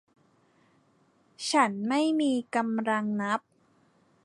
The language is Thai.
ฉันไม่มีกำลังนับ